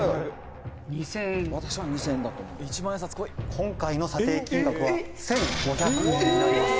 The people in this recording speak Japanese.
「今回の査定金額は１５００円になります」